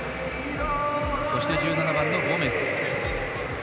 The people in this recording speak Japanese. そして１７番のゴメス。